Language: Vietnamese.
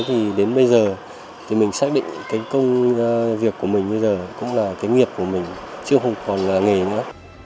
thì đến bây giờ thì mình xác định cái công việc của mình bây giờ cũng là cái nghiệp của mình chứ không còn là nghề nữa